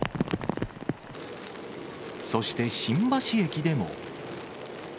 そして新橋駅でも。